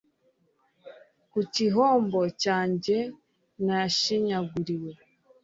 ku gihombo cyanjye, nashinyaguriwe